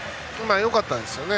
よかったですね。